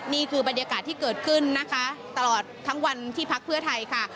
นี่คือบรรยากาศที่เกิดขึ้นนะคะตลอดทั้งวันที่พักเพื่อไทยค่ะ